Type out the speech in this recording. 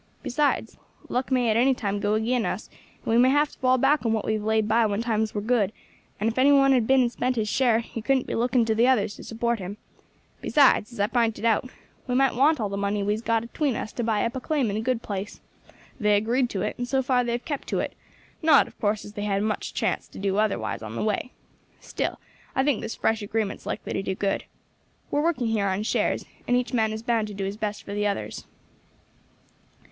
Besides, luck may at any time go agin us, and we may have to fall back on what we have laid by when times were good; and if any one had been and spent his share he couldn't be looking to the others to support him. Besides, as I pinted out, we might want all the money we has got atween us to buy up a claim in a good place. They agreed to it, and so far they have kept to it; not, of course, as they had much chance to do otherwise on the way. Still, I think this fresh agreement's likely to do good. We are working here on shares, and each man is bound to do his best for the others."